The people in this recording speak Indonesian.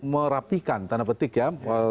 merapikan tanda petik ya